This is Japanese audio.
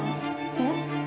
えっ？